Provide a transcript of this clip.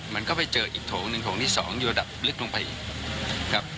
มันก็ไปเจออีกโถงหนึ่งโถงที่๒อยู่ระดับลึกลงไปอีกครับ